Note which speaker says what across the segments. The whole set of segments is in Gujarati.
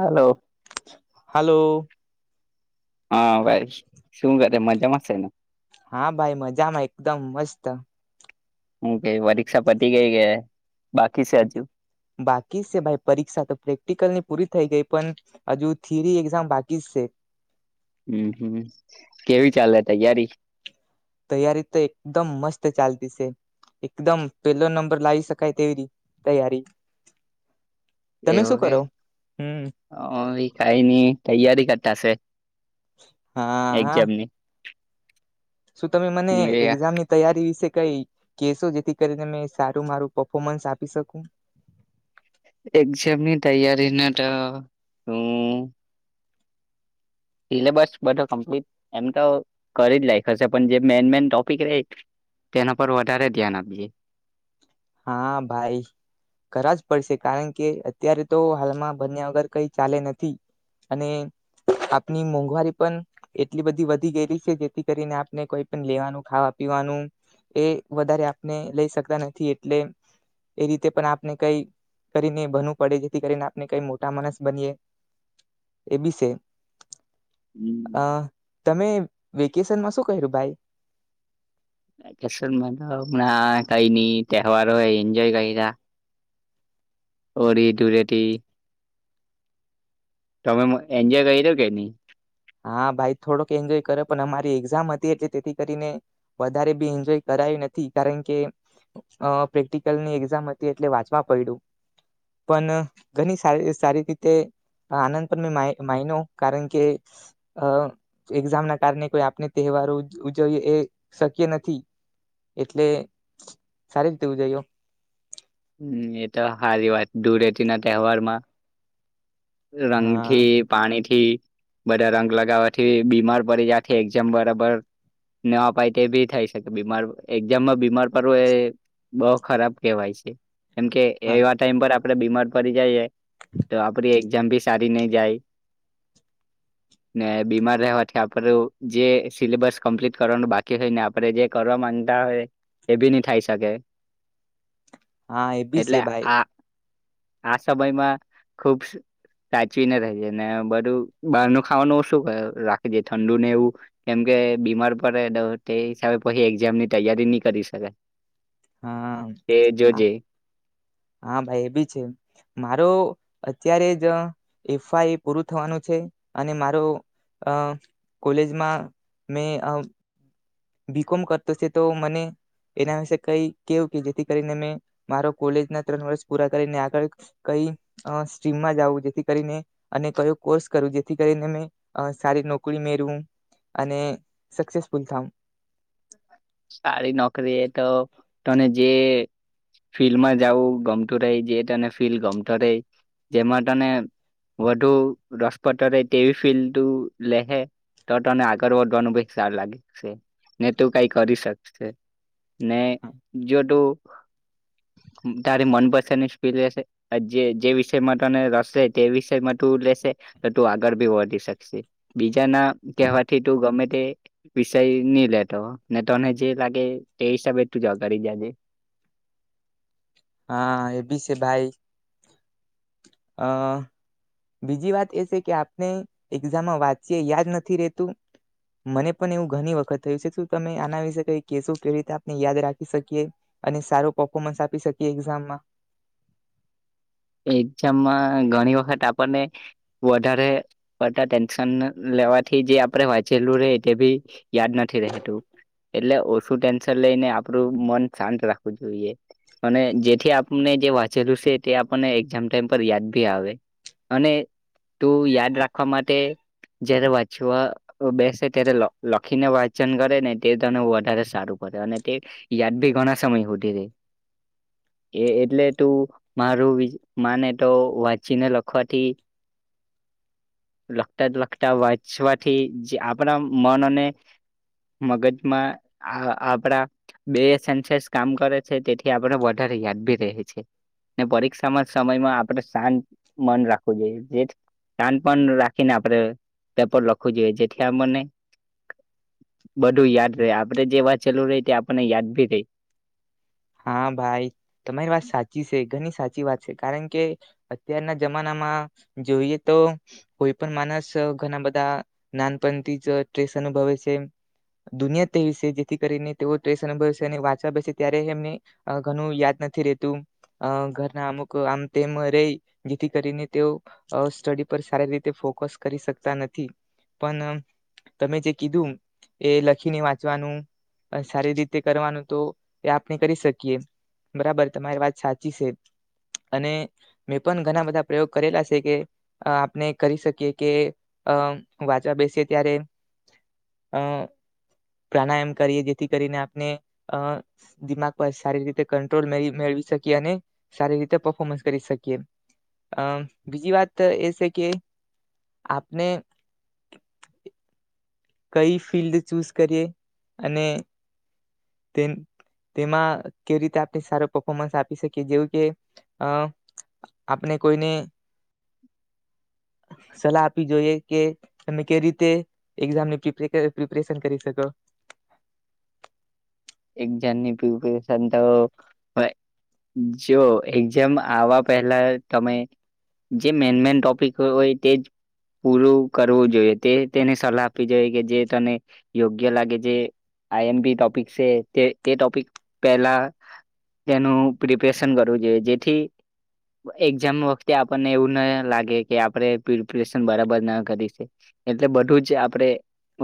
Speaker 1: હલો
Speaker 2: હલો
Speaker 1: હા ભાઈ શું કરે મજામાં શે ને
Speaker 2: હા ભાઈ મજામાં એકદમ મસ્ત
Speaker 1: હું કેઈ પરીક્ષા પતી ગઈ કે બાકી છે હજુ
Speaker 2: બાકી શે ભાઈ પરીક્ષા તો પ્રેક્ટિકલની પૂરી થઈ ગઈ પણ હજુ થિયરી એક્ઝામ બાકી જ શે
Speaker 1: હમ હમ કેવી ચાલે તૈયારી
Speaker 2: તૈયારી તો એકદમ મસ્ત ચાલતી શે એકદમ પેલો નંબર લાવી શકાય તેવી તૈયારી તમે
Speaker 1: એવું
Speaker 2: શું
Speaker 1: કે
Speaker 2: કરો હમ
Speaker 1: અમ ભી કઈ નઈ તૈયારી કરતાશે
Speaker 2: હા હ
Speaker 1: એક્ઝામની
Speaker 2: શું તમે મને એક્ઝામ ની તૈયારી વિશે કઈ કેશો જેથી કરીને મેં સારું મારું પફોમન્સ આપી શકુ
Speaker 1: એક્ઝામની તૈયારી ને તો હું સિલેબસ બધો કમ્પ્લીટ એમ તો કરી જ લાયગો છે પણ જે મેન મેન ટોપિક ર તેના પર વધારે ધ્યાન આપજે
Speaker 2: હા ભાઈ કરવા જ પડશે કારણ કે અત્યારે તો હાલમાં ભણયા વગર કઈ ચાલે નથી અને આપની મોંઘવારી પણ એટલી બધી વધી ગયેલી છે જેથી કરીને આપને કોઈ પણ લેવાનું ખાવા પીવાનું એ વધારે આપને લઈ શકતા નથી એટલે એ રીતે પણ આપણે કઈ કરીને ભનવું પડે જેથી કરીને આપણે કઈ મોટા માણસ બનીએ એ બીશે અ તમે વેકેશનમાં શું કર્યું ભાઈ
Speaker 1: કેસમાં તો કઈની તહેવારો એન્જોય કરીયા ઓળી ધૂળટી તમે એન્જોય કરીયુ કે ની
Speaker 2: હા ભાઈ થોડોક એન્જોય કરો પણ અમારી એક્ઝામ હતી એટલે તેથી કરીને વધારે બી એન્જોય કરાયું નથી કારણ કે પ્રેક્ટિકલની એક્ઝામ હતી એટલે વાંચવા પડ્યું પણ ઘણી સારી સારી રીતે આનંદ પણ મે માયનો કારણ કે અ એક્ઝામ ના કારણે કોઈ આપણે તહેવારો ઉજવીએ એ શક્ય નથી એટલે સારી રીતે ઉજવ્યો
Speaker 1: હમ એ તો હારી વાત ધૂળતી ના તહેવારમાં રંગ
Speaker 2: હા
Speaker 1: થી પાણી થી થી બધા રંગ લગાવવાથી બીમાર પડી જથી એઝામ બરાબર ન અપાય તે ભી થઈ શકે બીમાર એક્ઝામમાં બીમાર પડવું એ બો ખરાબ કેહેવાય શે. કેમ કે
Speaker 2: હા
Speaker 1: એવા ટાઈમ પર આપણે બીમાર પડી જઈએ તો આપડી એક્ઝામ ભી સારી નહી જાય ને બીમાર રહેવાથી આપણું જે સિલેબસ કમ્પ્લીટ કરવાનું બાકી હોયને આપણે જે કરવા માંગતા હોય એ બી નહી થાય શકે
Speaker 2: હા એ બી
Speaker 1: એટલે
Speaker 2: સે ભાઈ
Speaker 1: આ આ સમયમાં ખુબ સાચવીને રજે ને બધું બહાર ન ખાવાનું ઓછું રાખેજે ઠંડુને એવું કેમ કે બીમાર પડે તો તે હિસાબે પછી એઝામ ની તૈયારી નહી કરી શકે
Speaker 2: હા હ હા ભાઈ એ બી છે મારો અત્યારે જ એફઆઈ પૂરું થવાનું છે અને મારો અ કોલેજમાં બીકોમ કરતો તો મને એના વિશે કઈ કેવું કે જેથી કરીને મે મારો કોલેજ ના ત્રણ વર્ષ પૂરા કરીને આગળ કઈ અ સ્ટ્રીમમાં જવું જેથી કરીને અને કયો કોર્સ કરું જેથી કરીને મે સારી અ નોકરી મેળવું અને સક્સેસફુલ થાવ
Speaker 1: સારી નોકરી એ તો તને જે ફિલ્ડમાં જવું ગમતું રહી જે તને ફિલ્ડ ગમત રહી જેમાં તને વધુ રસપટ રહે તેવી ફિલ્ડ તું લે હે તો તને આગળ વધવાનુભ સારું લાગ ને તું કઈક કરી શક શે ને જો તું તારી મનપસંદ ની સ્પીલ લેશે જે જે વિષયમાં તને રશે તે વિષયમાં તું લેશે તો તું આગળ ભી વધી શકશે બીજા ના કહેવાથી તું ગમે તે વિષય નહી લેતો ને તને જે લાગે તે હિસાબે તું આગળી જ જે.
Speaker 2: હા એ બી છે, ભાઈ આ બીજી વાત એ છે કે આપને એક્ઝામમાં વાંચીએ યાદ નથી રેતું મને પણ એવું ઘણી વખત થયું છે શું તમે આના વિશે કંઈક કેસો કેવી રીતે આપને યાદ રાખી શકીએ અને સારો પફોમન્સ આપી શકીએ એક્ઝામમાં.
Speaker 1: એક્ઝામમાં ઘણી વખત આપણને વધારે પડતા ટેન્શન લેવાથી જે આપણે વાંચેલું રે તે ભી યાદ નથી રહે તું. એટલે ઓછું ટેન્શન લઈને આપડું મન શાંત રાખવું જોઈએ અને જેથી આપણે જે વાંચેલું છે, તે આપણને એક્ઝામ ટાઈમ પર યાદ ભી આવે અને તું યાદ રાખવા માટે જ્યારે વાંચવા બેસે ત્યારે લ લખીને વાંચન કરે ને તે તને વધારે સારું બને અને તે યાદ ભી ઘણા સમય સુધી રે એ એટલે તું મારું મને તો વાંચીને લખવાથી લખતા લખતા વાંચવાથી આપણા મન અને મગજમાં આ આપડા બે સેન્સર્સ કામ કરે છે તેથી આપણે વધારે યાદ બી રહે છે ને પરીક્ષા એક્ષામ ના સમયમાં આપણે શાંત મન રાખવું જોઈએ જે શાંત મન રાખીને આપણે પેપર લખવું જોઈએ જેથીથી આપણને બધું યાદ રહે આપણે જે વાંચેલું રે તે આપણને યાદ ભી રે.
Speaker 2: હા ભાઈ તમારી વાત સાચી છે, ઘણી સાચી વાત છે, કારણ કે અત્યારના જમાનામાં જોઈએ તો કોઈ પણ માણસ ઘણા બધા નાનપણથી જ ટ્યુશન અનુભવે છે, દુનિયા [unintelligible] છે, જેથી કરીને તેઓ ટ્રેસ અનુભવે છે, અને વાંચવા બે છે, ત્યારે એમની આગળનું યાદ નથી રેતું આ ઘરના અમુક આમ તેમ રહી જેથી કરીને તેઓ સ્ટડી પર સારી રીતે ફોકસ કરી શકતા નથી પણ તમે જે કીધું એ લખીને વાંચવાનું સારી રીતે કરવાનું તો એ આપણે કરી શકી યે બરાબર તમારી વાત સાચી છે અને મેં પણ ઘણા બધા પ્રયોગ કરેલા છે કે આપણે કરી શકીએ કે અ વાંચવા બેસીએ ત્યારે આ પ્રાણાયામ કરીએ જેથી કરીને આપણે આ દિમાગ ઉપર સારી રીતે કંટ્રોલ મે મેળવી શકીએ અને સારી રીતે પફોર્મન્સ કરી શકીએ આમ બીજી વાત એ છે કે આપણે કઈ ફિલ્ડ ચૂઝ કરીએ અને તે તેમાં કેવી રીતે આપણે સારો પફોર્મન્સ આપી શકીએ જેવું કે અ આપણે કોઈને સલાહ આપવી જોઈએ કે તમે કેવી રીતે એક્ઝામની પ્રિપેર પ્રિપેરેશન પણ કરી શકો.
Speaker 1: એક્ઝામની પ્રિપરેશન તો જો એક્ઝામ આવવા પહેલા તમે જે મેન મેન ટોપિક હોય તે જ પૂરું કરવું જોઈએ તે તેને સલાહ આપવી જોઈએ કે જે તને યોગ્ય લાગે જે આઈ એમ પી ટોપિક છે તે તે ટોપિક પહેલા તેનું પ્રિપરેશન કરવું જોઈએ જેથી એક્ઝામ વખતે આપણને એવું ના લાગે કે આપણે પ્રિપરેશન બરાબર ના કરી એટલે બધું જ આપણે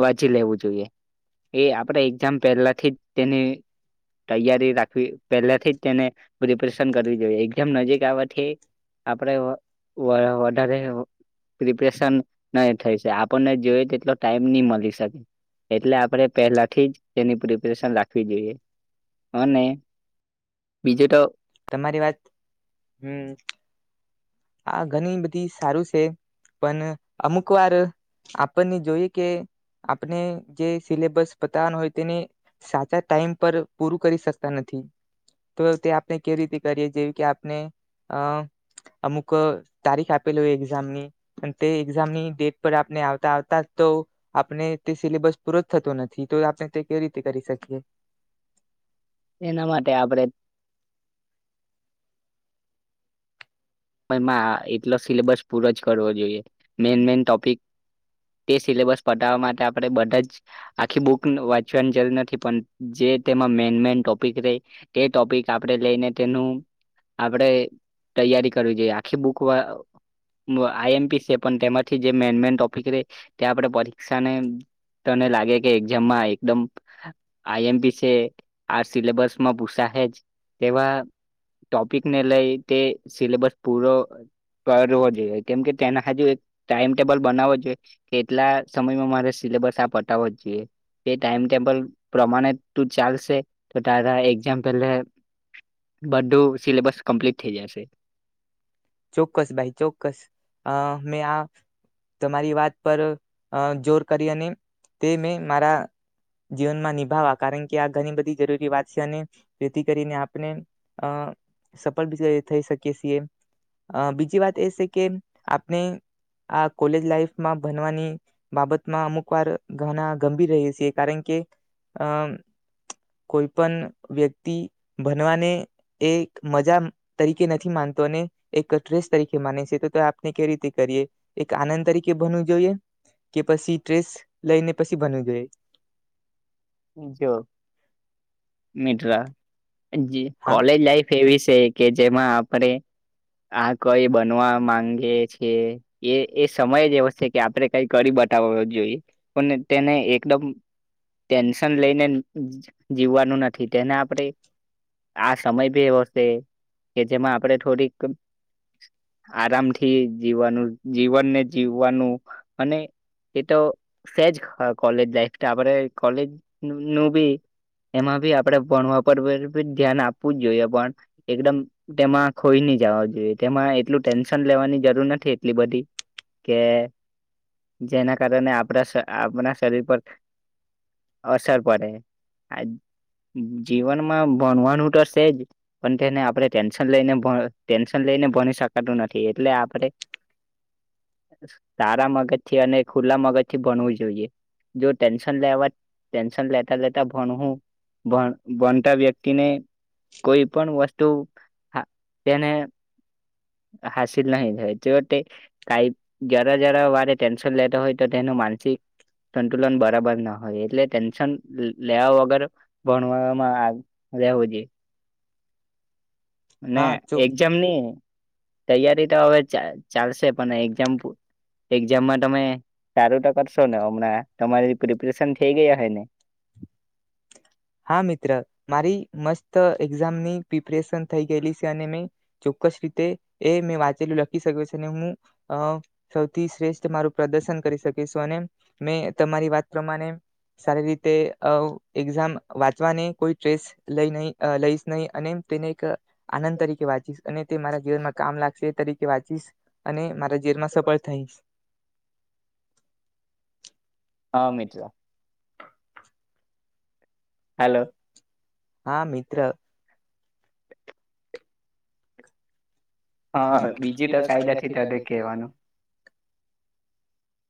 Speaker 1: વાંચી લેવું જોઈએ એ આપણે એક્ઝામ પહેલાથી જ તેની તૈયારી રાખવી પહેલાથી જ તેને પ્રિપરેશન કરવી જોઈએ એક્ઝામ નજીક આવવાથી આપણે વા વધારે પ્રિપરેશન નહી થઈ શકે આપણને જોઈ તેટલો ટાઈમ નહી મળી શકે એટલે આપણે પહેલાથી જ તેની પ્રિપેરેશન રાખ આપી દે અને બીજું તો
Speaker 2: તમારી વાત હમ્મ આ ઘણી બધી સારું છે પણ અમુક વાર આપણને જોઈએ કે આપણે જે સિલેબસ પતાવવાનો હોય તેને સાચા ટાઈમ પર પૂરું કરી શકતા નથી તો તે અપ આપ કેવી રીતે કરીએ જેવી કે આપને આ અમુક તારીખ આપેલી હોય એક્ઝામની અને તે એક્ઝામની ડેટ પર આપણે આવતા આવતા તો આપણે તે સિલેબસ પૂરો જ થતો નથી તો આપણે કેવી રીતે કરી શકીએ
Speaker 1: એના માટે આપડે [unintelligible] એટલો સિલેબસ પૂરો જ કરવો જોઈએ મેન મેન ટોપિક તે સિલેબસ પઠાવવા માટે આપણે બધા જ આખી બુક વાંચવાની જરૂર નથી પણ જે તેમાં મેન મેન ટોપિક રે તે ટોપિક આપણે લઈને તેનું આપણે તૈયારી કરવી જોઈએ આખી બુક આ આઈ એમ પી છે, પણ તેમાંથી જે મેન મેન ટોપિક રે તે આપણે પરીક્ષાને તને લાગે કે એઝામમાં એકદમ આઈ એમ પી છે આ સિલેબસમાં પૂસા હેજ તેવા ટોપિકને લઈ તે સિલેબસ પૂરો કરવો જોઈએ કેમ કે તેના હજુ એક ટાઈમટેબલ બનાવો જોઈએ કેટલા સમયમાં મારે સિલેબસ આ પતાવો જોઈએ તે ટાઈમટેબલ પ્રમાણે તું ચાલશે તો તારા એક્ઝામ પહેલા બધું સિલેબસ કમ્પ્લીટ થઈ જશે.
Speaker 2: ચોક્કસ ભાઈ ચોક્કસ અ મેં આ તમારી વાત પર આ જોર કરી અને તે મેં મારા જીવનમાં નિભાાવવા કારણ કે આ ઘણી બધી જરૂરી વાત છે અને જેથી કરીને આપને આ સફળી થઈ શકી છીએ અ બીજી વાત એ છે કે આપણે આ કોલેજ લાઈફમાં ભનવાની બાબતમાં અમુક વાર ઘણા ગંભીર રહી છીએ કારણ કે અમ કોઈ પણ વ્યક્તિ ભનવાને એ મજા તરીકે નથી માનતો ને એક [unintelligible] તરીકે માને છે. તો આપને કેવી રીતે કરીએ એક આનંદ તરીકે બનવું જોઈએ કે પછી ટ્રેસ લઈને પછી બનવું જોઈએ.
Speaker 1: જો મિત્ર જી
Speaker 2: હા
Speaker 1: કોલેજ લાઈફ એવી છે કે જેમાં આપણે આ કઈ બનવા માંગીએ જીએ એ સમય જ એવો શે કે આપણે કઈ કરી બતાવો જોઈએ પણ તેને એકદમ ટેન્શન લઈને જીવવાનું નથી તેને આપણે આ સમય ભી એવો શે કે જેમાં આપણે થોડીક આરામથી જીવવાનું જીવનને જીવવાનું અને એ તો સેજ કોલેજ લાઈફ આપણે કોલેજ નું બી એમાં બી આપણે ભણવા પર ધ્યાન આપવું જ જોઈએ પણ એકદમ તેમાં ખોઈ ન જવા જોઈએ તેમાં એટલું ટેન્શન લેવાની જરૂર નથી એટલી બધી કે જેના કારણે આપણા આપણા શરીર પર અસર પડે જીવનમાં ભણવાનું તો શે જ પણ તેને આપણે ટેન્શન લઈને ટેન્શન લઈને ભણી શકાતું નથી એટલે આપણે સારા મગજ થી અને ખુલ્લા મગજ થી ભણવું જોઈએ જો ટેન્શન લેવા ટેન્શન લેતા લેતા ભણહું ભણતા વ્યક્તિને કોઈ પણ વસ્તુ તેને હાસિલ નહી થાય, જો તે કંઇ જરા જરા વારે ટેન્શન લેતા હોય તો તેનું માનસિક સંતુલન બરાબર ન હ એટલે ટેન્શન લેવા વગર ભણવામાં રહેેવું જોઈએ. ને
Speaker 2: હા ચો
Speaker 1: એક્જામની તૈયારી તો હવે ચા ચાલશે. પણ એક્ઝામપૂ એક્ઝામમાં તમે સારું તો કરશો ને હમણાં તમારી પ્રિપરેશન થઈ ગય હએ ને
Speaker 2: હા મિત્ર મારી મસ્ત એક્ઝામની પ્રિપરેશન થઈ ગયેલી શે ને મે ચોક્કસ રીતે એ મેં વાંચેલું લખી શકુ છુ અને હું સૌથી શ્રેષ્ઠ મારું પ્રદર્શન કરી શકીશું અને મેં તમારી વાત પ્રમાણે સારી રીતે અ વાંચવાને કોઈ ટ્રેસ લઈ નહી લઈ નહી અનેમ તેનેક આનંદ તરીકે વાંચીશ અને તે મારા જીવનમાં કામ લાગશે એ તરીકે વાંચીશ અને મારા જીવનમાં સફળ થઈશ
Speaker 1: હા મીત્ર હાલો
Speaker 2: હલો હા મિત્ર
Speaker 1: હા બીજી તો
Speaker 2: બીજું કાઈ
Speaker 1: કાયદા થી તને
Speaker 2: નઈ કહેવાનું
Speaker 1: કેવાનું